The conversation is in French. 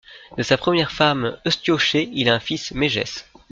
De sa première femme Eustyoché, il a un fils, Mégès.